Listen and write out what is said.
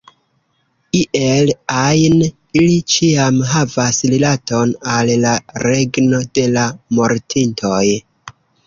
Iel ajn, ili ĉiam havas rilaton al la regno de la mortintoj.